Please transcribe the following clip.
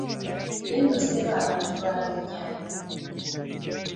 Ye nno ssebo abantu baalinnyayo!